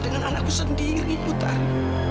dengan anakku sendiri otari